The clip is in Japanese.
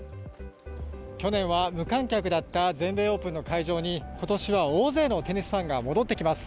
去年は無観客だった全米オープンの会場に今年は大勢のテニスファンが戻ってきます。